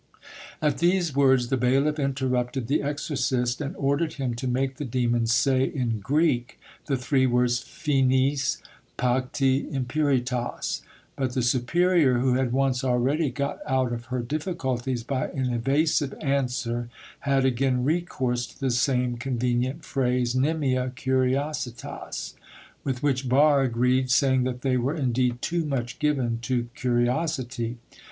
At these words the bailiff interrupted the exorcist and ordered him to make the demon say in Greek the three words, 'finis, pacti, impuritas'. But the superior, who had once already got out of her difficulties by an evasive answer, had again recourse to the same convenient phrase, "Nimia curiositas," with which Barre agreed, saying that they were indeed too much given to curiosity.